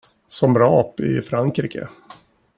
Som rap i Frankrike.